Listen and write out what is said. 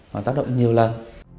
nó tác động nhiều lần